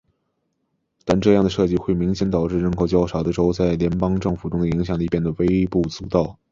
但这样的设计会明显导致人口较少的州在联邦政府中的影响力变得非常微不足道。